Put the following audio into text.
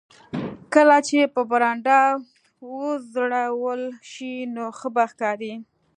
کله چې په برنډه وځړول شي نو ښه به ښکاري